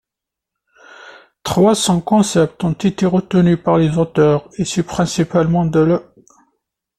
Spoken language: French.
Trois cents concepts ont été retenus par les auteurs, issus principalement de l'.